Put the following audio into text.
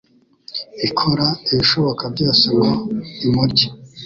ikora ibishoboka byose ngo imurye